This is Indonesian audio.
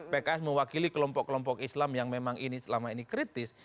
pks mewakili kelompok kelompok islam yang memang ini selama ini kritis